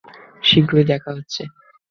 শীঘ্রই দেখা হচ্ছে।